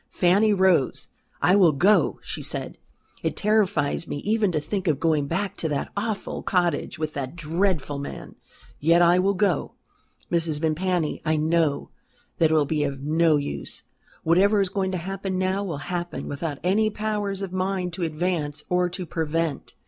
Fanny rose. "I will go," she said. "It terrifies me even to think of going back to that awful cottage with that dreadful man. Yet I will go. Mrs. Vimpany, I know that it will be of no use. Whatever is going to happen now will happen without any power of mine to advance or to prevent.